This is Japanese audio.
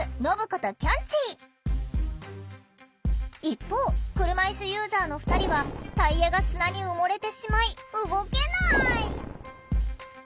一方車いすユーザーの２人はタイヤが砂に埋もれてしまい動けない。